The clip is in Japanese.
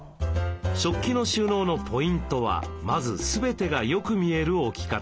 食器の収納のポイントはまず全てがよく見える置き方。